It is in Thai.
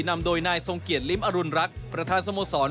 นำโดยนายทรงเกียจลิ้มอรุณรักษ์ประธานสโมสร